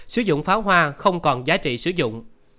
sử dụng pháo hoa không còn giá trị sử dụng